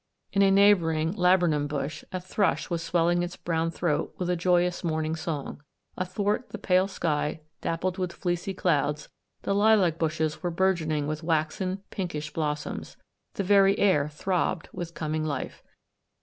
In a neighbouring laburnum bush, a thrush was swelling its brown throat with a joyous morning song. Athwart the pale sky dap 8 THE STORY OF A MODERN WOMAN. pled with fleecy clouds, the lilac bushes were burgeoning with waxen pinkish blossoms. The very air throbbed with coming life.